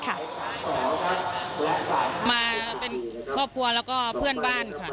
มาเป็นครอบครัวแล้วก็เพื่อนบ้านค่ะ